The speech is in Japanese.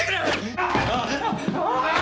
ああ！